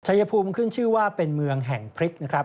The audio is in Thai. ชายภูมิขึ้นชื่อว่าเป็นเมืองแห่งพริกนะครับ